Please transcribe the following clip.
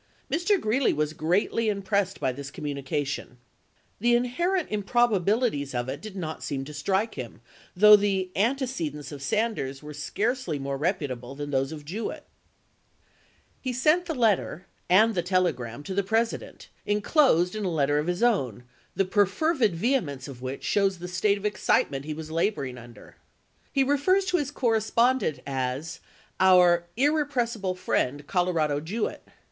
Mr. Greeley was greatly impressed by this com munication. The inherent improbabilities of it did not seem to strike him, though the antece dents of Sanders were scarcely more reputable than those of Jewett. He sent the letter and the 186 ABRAHAM LINCOLN chap. viii. telegram to the President, inclosed in a letter of his own, the perfervid vehemence of which shows the state of excitement he was laboring under. He refers to his correspondent as " our irrepres sible friend, Colorado Jewett."